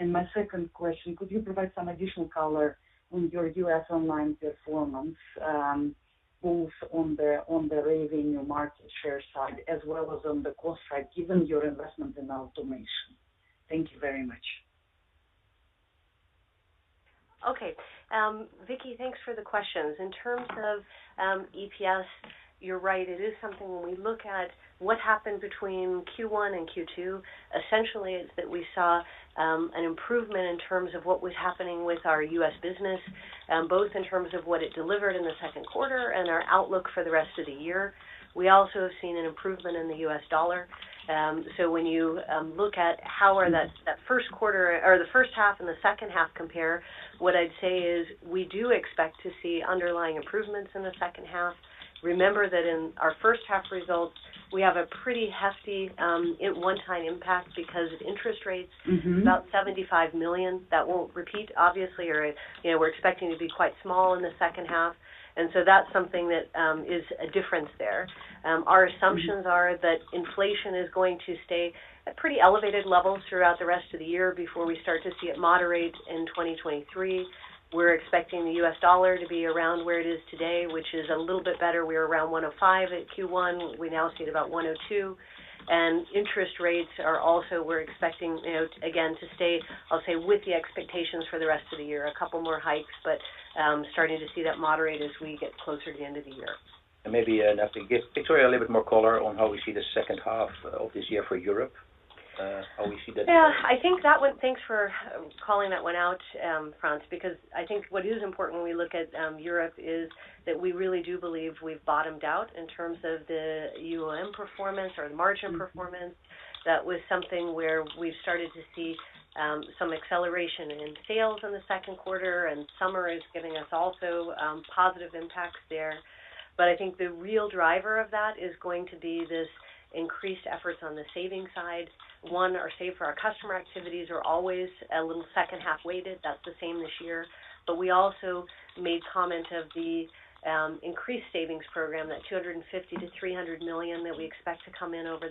And my second question, could you provide some additional color on your U.S. online performance, both on the revenue market share side as well as on the cost side, given your investment in automation? Thank you very much. Okay. Vicky, thanks for the questions. In terms of EPS, you're right. It is something when we look at what happened between Q1 and Q2, essentially, it's that we saw an improvement in terms of what was happening with our U.S. business, both in terms of what it delivered in the second quarter and our outlook for the rest of the year. We also have seen an improvement in the U.S. dollar. When you look at how that first quarter or the first half and the second half compare, what I'd say is we do expect to see underlying improvements in the second half. Remember that in our first half results, we have a pretty hefty one-time impact because of interest rates. Mm-hmm. About 75 million. That won't repeat obviously, or, you know, we're expecting to be quite small in the second half. That's something that is a difference there. Our assumptions are that inflation is going to stay at pretty elevated levels throughout the rest of the year before we start to see it moderate in 2023. We're expecting the U.S. dollar to be around where it is today, which is a little bit better. We're around 1.05 at Q1. We now see it about 1.02. Interest rates are also, we're expecting, you know, again, to stay, I'll say, with the expectations for the rest of the year, a couple more hikes, but starting to see that moderate as we get closer to the end of the year. Maybe, Natalie Knight, give Victoria Petrova a little bit more color on how we see the second half of this year for Europe, how we see that. I think that one. Thanks for calling that one out, Frans, because I think what is important when we look at Europe is that we really do believe we've bottomed out in terms of the UOM performance or the margin performance. That was something where we've started to see some acceleration in sales in the second quarter, and summer is giving us also positive impacts there. I think the real driver of that is going to be this increased efforts on the saving side. Our Save for Our Customers activities are always a little second half weighted. That's the same this year. We also made comment on the increased savings program, that 250 million-300 million that we expect to come in over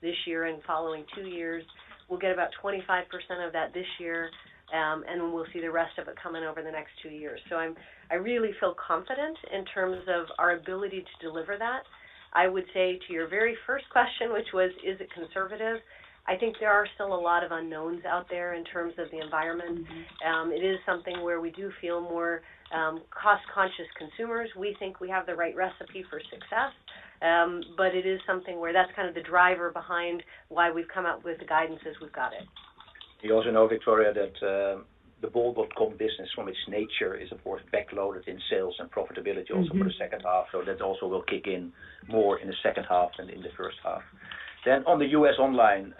this year and following two years. We'll get about 25% of that this year, and we'll see the rest of it coming over the next two years. I really feel confident in terms of our ability to deliver that. I would say to your very first question, which was, is it conservative? I think there are still a lot of unknowns out there in terms of the environment. Mm-hmm. It is something where we do feel more cost-conscious consumers. We think we have the right recipe for success. It is something where that's kind of the driver behind why we've come up with the guidance as we've got it. You also know, Victoria, that the bol.com business from its nature is, of course, backloaded in sales and profitability also for the second half. That also will kick in more in the second half than in the first half. On the U.S. online,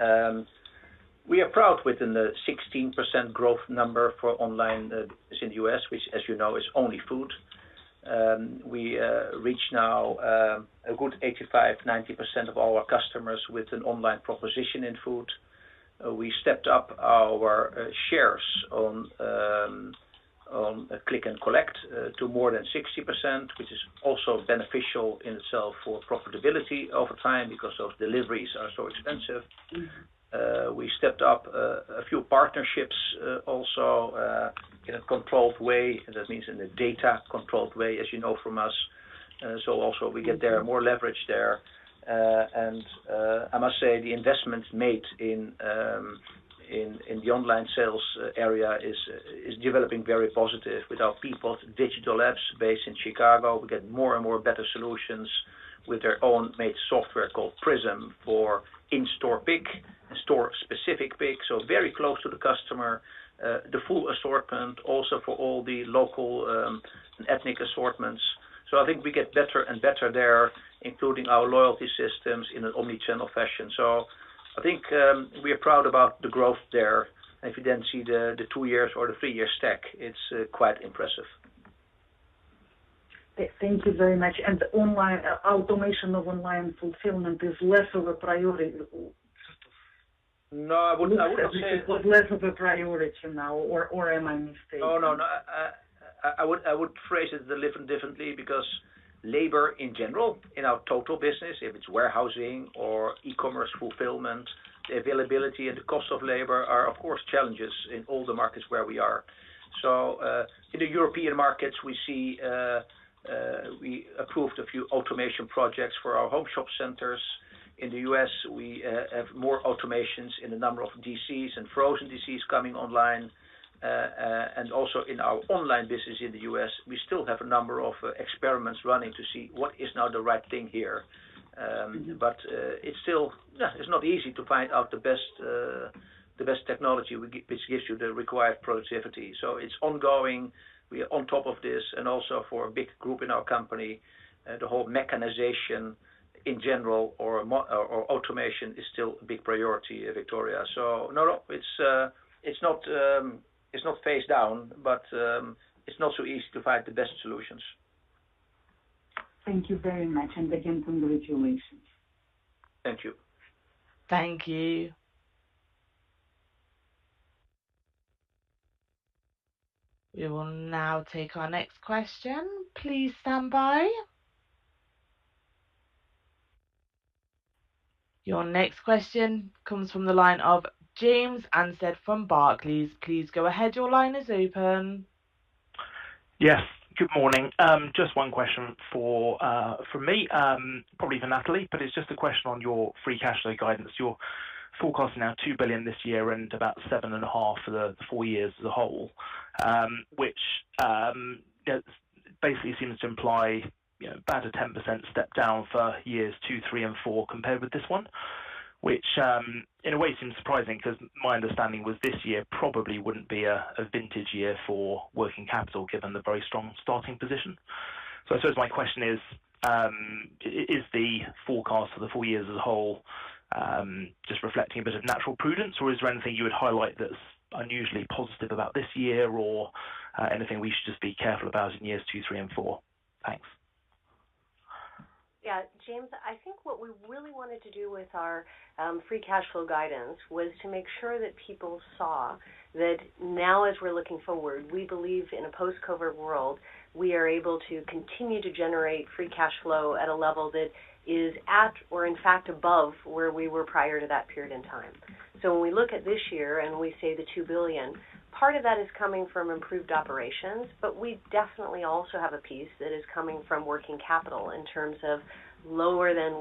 we are proud within the 16% growth number for online is in the U.S., which as you know, is only food. We reach now a good 85%-90% of all our customers with an online proposition in food. We stepped up our shares on Click & Collect to more than 60%, which is also beneficial in itself for profitability over time because of deliveries are so expensive. Mm-hmm. We stepped up a few partnerships, also, in a controlled way. That means in a data-controlled way, as you know from us. Also we get there more leverage there. I must say the investments made in the online sales area is developing very positive with our Peapod Digital Labs based in Chicago. We get more and more better solutions with their own made software called PRISM for in-store pick, store specific pick. Very close to the customer, the full assortment also for all the local ethnic assortments. I think we get better and better there, including our loyalty systems in an omnichannel fashion. I think we are proud about the growth there. If you then see the two-year or the three-year stack, it's quite impressive. Thank you very much. Online automation of online fulfillment is less of a priority. No, I wouldn't say. Less of a priority now, or am I mistaken? Oh, no. No, I would phrase it a little differently because labor in general, in our total business, if it's warehousing or e-commerce fulfillment, the availability and the cost of labor are of course challenges in all the markets where we are. In the European markets, we approved a few automation projects for our home shop centers. In the U.S., we have more automations in a number of DCs and frozen DCs coming online. Also in our online business in the U.S., we still have a number of experiments running to see what is now the right thing here. It's still. Yeah, it's not easy to find out the best technology which gives you the required productivity. It's ongoing. We are on top of this, and also for a big group in our company, the whole mechanization in general or automation is still a big priority, Victoria. No, it's not face down, but it's not so easy to find the best solutions. Thank you very much, and again, congratulations. Thank you. Thank you. We will now take our next question. Please stand by. Your next question comes from the line of James Anstead from Barclays. Please go ahead. Your line is open. Yes. Good morning. Just one question from me, probably for Natalie, but it's just a question on your free cash flow guidance. You're forecasting now 2 billion this year and about 7.5 billion for the four years as a whole. Which basically seems to imply, you know, about a 10% step down for years two, three and four compared with this one, which in a way seems surprising 'cause my understanding was this year probably wouldn't be a vintage year for working capital, given the very strong starting position. I suppose my question is the forecast for the four years as a whole, just reflecting a bit of natural prudence, or is there anything you would highlight that's unusually positive about this year or, anything we should just be careful about in years two, three and four? Thanks. Yeah. James, I think what we really wanted to do with our free cash flow guidance was to make sure that people saw that now as we're looking forward, we believe in a post-COVID world, we are able to continue to generate free cash flow at a level that is at, or in fact above where we were prior to that period in time. When we look at this year and we say 2 billion, part of that is coming from improved operations, but we definitely also have a piece that is coming from working capital in terms of lower than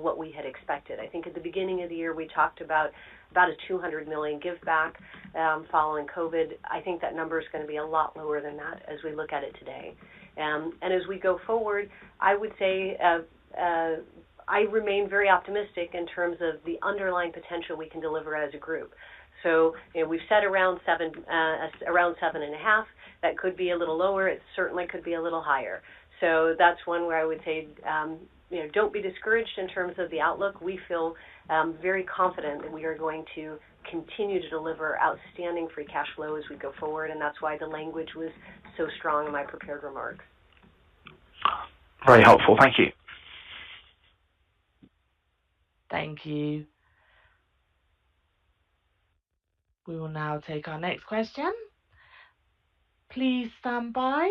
what we had expected. I think at the beginning of the year, we talked about about 200 million giveback following COVID. I think that number is gonna be a lot lower than that as we look at it today. As we go forward, I would say, I remain very optimistic in terms of the underlying potential we can deliver as a group. You know, we've said around 7%, around 7.5%. That could be a little lower. It certainly could be a little higher. That's one where I would say, you know, don't be discouraged in terms of the outlook. We feel very confident that we are going to continue to deliver outstanding free cash flow as we go forward, and that's why the language was so strong in my prepared remarks. Very helpful. Thank you. Thank you. We will now take our next question. Please stand by.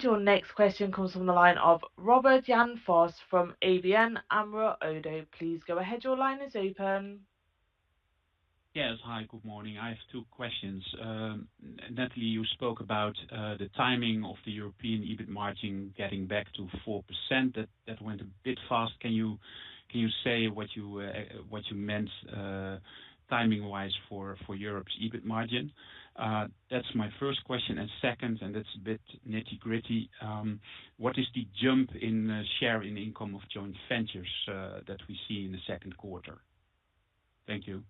Your next question comes from the line of Robert Jan Vos from ABN AMRO. Please go ahead. Your line is open. Yes. Hi. Good morning. I have two questions. Natalie, you spoke about the timing of the European EBIT margin getting back to 4%. That went a bit fast. Can you say what you meant timing-wise for Europe's EBIT margin? That's my first question. Second, it's a bit nitty-gritty. What is the jump in share in income of joint ventures that we see in the second quarter? Thank you.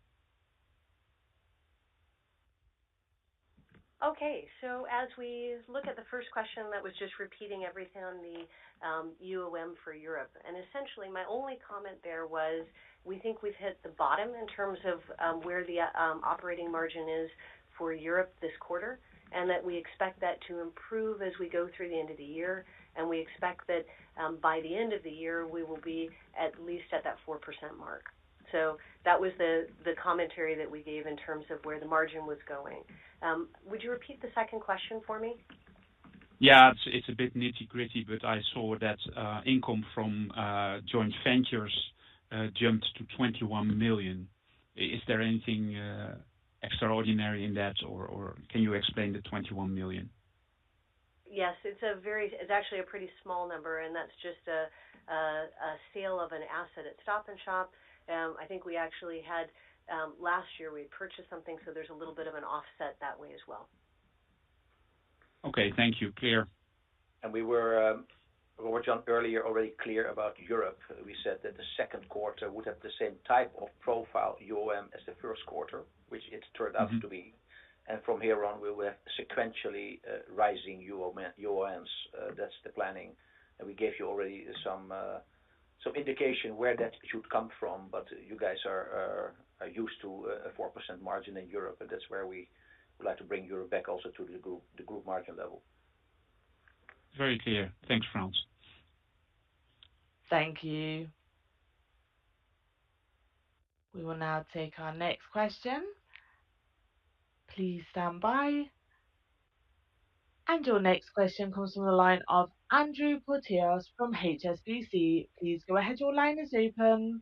Okay. As we look at the first question, that was just repeating everything on the UOM for Europe. Essentially my only comment there was, we think we've hit the bottom in terms of where the operating margin is for Europe this quarter, and that we expect that to improve as we go through the end of the year. We expect that by the end of the year, we will be at least at that 4% mark. That was the commentary that we gave in terms of where the margin was going. Would you repeat the second question for me? Yeah. It's a bit nitty-gritty, but I saw that income from joint ventures jumped to 21 million. Is there anything extraordinary in that or can you explain the 21 million? Yes. It's actually a pretty small number, and that's just a sale of an asset at Stop & Shop. I think we actually had, last year we purchased something, so there's a little bit of an offset that way as well. Okay. Thank you. Clear. We were, earlier already clear about Europe. We said that the second quarter would have the same type of profile UOM as the first quarter, which it turned out to be. Mm-hmm. From here on, we will have sequentially rising UOMs. That's the planning. We gave you already some indication where that should come from, but you guys are used to a 4% margin in Europe, and that's where we would like to bring Europe back also to the group margin level. Very clear. Thanks, Frans. Thank you. We will now take our next question. Please stand by. Your next question comes from the line of Andrew Porteous from HSBC. Please go ahead. Your line is open.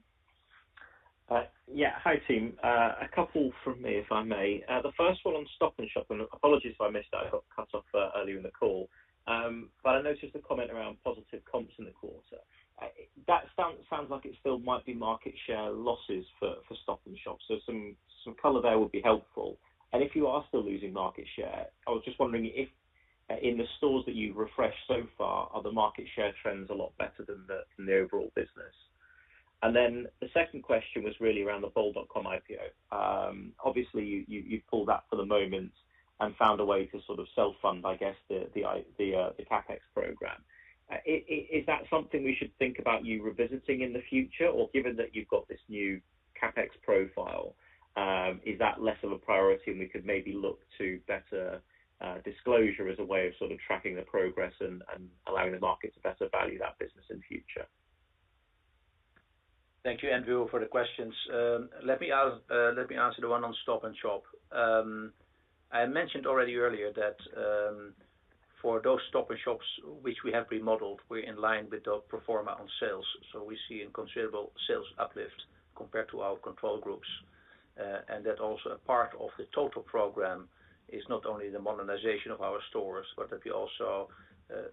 Hi, team. A couple from me, if I may. The first one on Stop & Shop, and apologies if I missed it. I got cut off earlier in the call. I noticed a comment around positive comps in the quarter. That sounds like it still might be market share losses for Stop & Shop. Some color there would be helpful. If you are still losing market share, I was just wondering if in the stores that you've refreshed so far, are the market share trends a lot better than the overall business? The second question was really around the bol.com IPO. Obviously, you pulled that for the moment and found a way to sort of self-fund, I guess, the CapEx program. Is that something we should think about you revisiting in the future? Or given that you've got this new CapEx profile, is that less of a priority and we could maybe look to better disclosure as a way of sort of tracking the progress and allowing the market to better value that business in future? Thank you, Andrew, for the questions. Let me answer the one on Stop & Shop. I mentioned already earlier that, for those Stop & Shops which we have remodeled, we're in line with the pro forma on sales, so we see a considerable sales uplift compared to our control groups. That also a part of the total program is not only the modernization of our stores, but that we also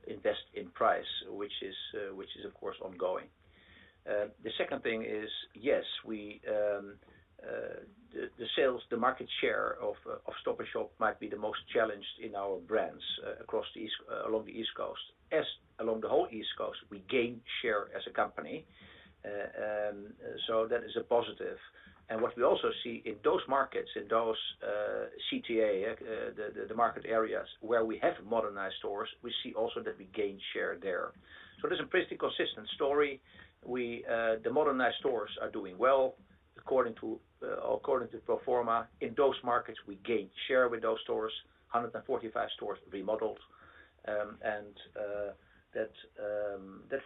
invest in price, which is of course ongoing. The second thing is, yes, the market share of Stop & Shop might be the most challenged in our brands, across the East Coast. And along the whole East Coast, we gain share as a company. That is a positive. What we also see in those markets, in those CTA, the market areas where we have modernized stores, we see also that we gain share there. There's a pretty consistent story. The modernized stores are doing well according to pro forma. In those markets, we gain share with those stores. 145 stores remodeled. That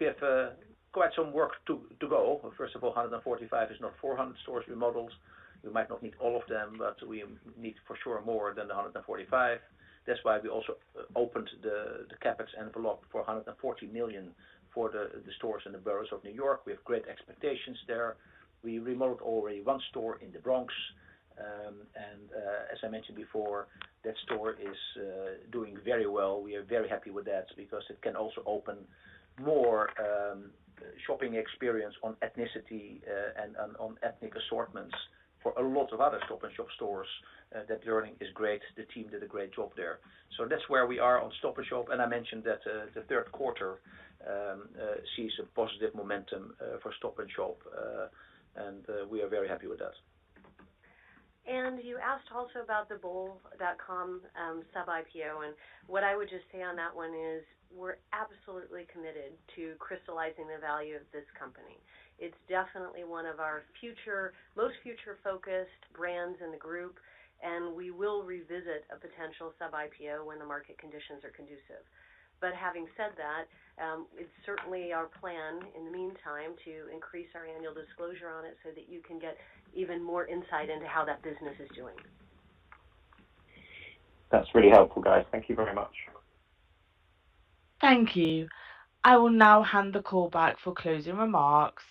we have quite some work to go. First of all, 145 is not 400 stores remodeled. We might not need all of them, but we need for sure more than the 145. That's why we also opened the CapEx envelope for 140 million for the stores in the boroughs of New York. We have great expectations there. We remodeled already one store in the Bronx. As I mentioned before, that store is doing very well. We are very happy with that because it can also open more shopping experience on ethnicity and on ethnic assortments for a lot of other Stop & Shop stores. That learning is great. The team did a great job there. That's where we are on Stop & Shop. I mentioned that the third quarter sees a positive momentum for Stop & Shop. We are very happy with that. You asked also about the bol.com sub-IPO, and what I would just say on that one is we're absolutely committed to crystallizing the value of this company. It's definitely one of our most future-focused brands in the group, and we will revisit a potential sub-IPO when the market conditions are conducive. Having said that, it's certainly our plan in the meantime to increase our annual disclosure on it so that you can get even more insight into how that business is doing. That's really helpful, guys. Thank you very much. Thank you. I will now hand the call back for closing remarks.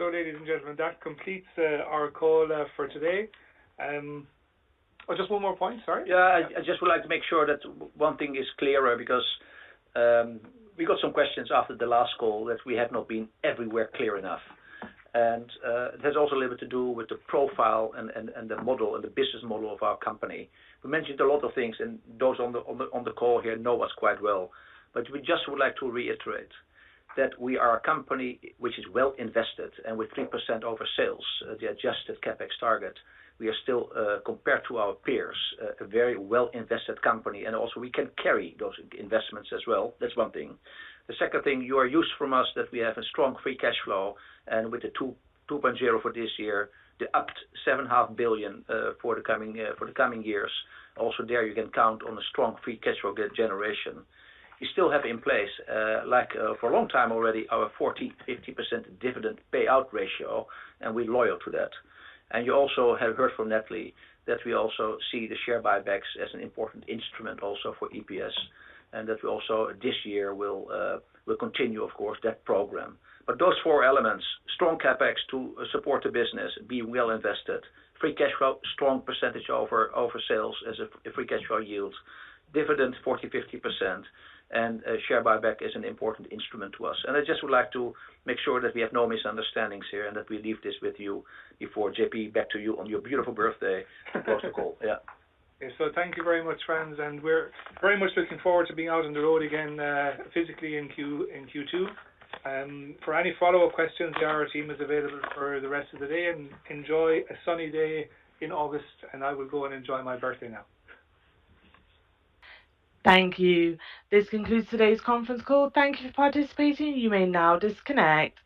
Ladies and gentlemen, that completes our call for today. Oh, just one more point. Sorry. Yeah. I just would like to make sure that one thing is clearer because we got some questions after the last call that we have not been everywhere clear enough. It has also a little bit to do with the profile and the model and the business model of our company. We mentioned a lot of things and those on the call here know us quite well. We just would like to reiterate that we are a company which is well invested and with 3% over sales, the adjusted CapEx target. We are still compared to our peers, a very well-invested company, and also we can carry those investments as well. That's one thing. The second thing, you've heard from us that we have a strong free cash flow and with the 2.0 billion for this year, the updated 7.5 billion for the coming year, for the coming years. Also there you can count on a strong free cash flow generation. You still have in place, like, for a long time already, our 40%-50% dividend payout ratio, and we're loyal to that. You also have heard from Natalie that we also see the share buybacks as an important instrument also for EPS, and that we also this year will continue, of course, that program. Those four elements, strong CapEx to support the business, being well invested, free cash flow, strong percentage over sales as a free cash flow yield, dividend 40, 50%, and share buyback is an important instrument to us. I just would like to make sure that we have no misunderstandings here and that we leave this with you before JP back to you on your beautiful birthday protocol. Yeah. Okay. Thank you very much, friends, and we're very much looking forward to being out on the road again, physically in Q2. For any follow-up questions, our team is available for the rest of the day and enjoy a sunny day in August, and I will go and enjoy my birthday now. Thank you. This concludes today's conference call. Thank you for participating. You may now disconnect.